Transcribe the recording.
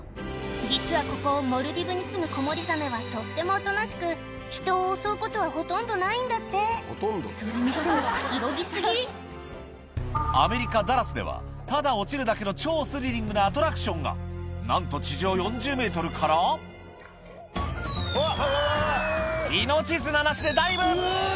実はここモルディブにすむコモリザメはとってもおとなしく人を襲うことはほとんどないんだってそれにしてもくつろぎ過ぎアメリカダラスではただ落ちるだけの超スリリングなアトラクションがなんと地上４０ｍから命綱なしでダイブ！